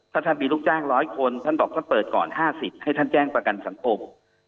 ถ้าท่านมีลูกจ้าง๑๐๐คนท่านบอกท่านเปิดก่อน๕๐ให้ท่านแจ้งประกันสังคม